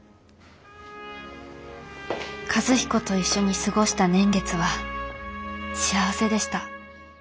「和彦と一緒に過ごした年月は幸せでした。